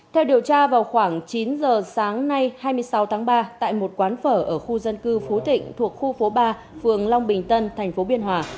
theo điều tra vào khoảng chín giờ sáng nay hai mươi sáu tháng ba tại một quán phở ở khu dân cư phú thịnh thuộc khu phố ba phường long bình tân tp biên hòa